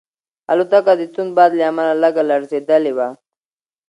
الوتکه د توند باد له امله لږه لړزېدلې وه.